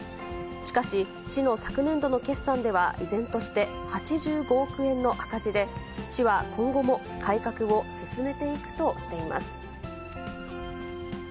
しかし、市の昨年度の決算では、依然として８５億円の赤字で、市は今後も改革を進めていくとしています。